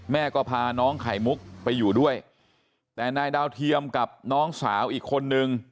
แม่ก็พาน้องไข่มุกไปอยู่ด้วยแต่นายดาวเทียมกับน้องสาวอีกคนนึง